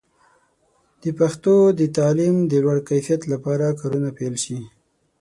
د پښتو د تعلیم د لوړ کیفیت لپاره کارونه پیل شي.